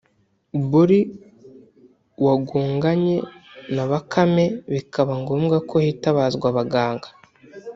Boli wagonganye na Bakame bikaba ngombwa ko hitabazwa abaganga